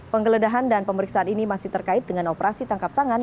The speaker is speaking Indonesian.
penggeledahan dan pemeriksaan ini masih terkait dengan operasi tangkap tangan